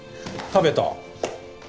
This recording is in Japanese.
食べた。